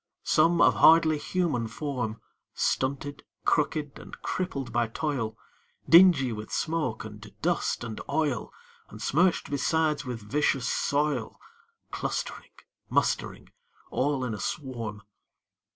Some, of hardly human form, Stunted, crooked, and crippled by toil; Dingy with smoke and dust and oil, And smirch'd besides with vicious soil, Clustering, mustering, all in a swarm.